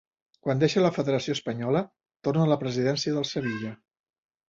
Quan deixa la Federació Espanyola torna a la presidència del Sevilla.